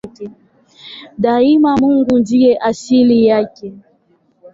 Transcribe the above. Daima Mungu ndiye asili yake.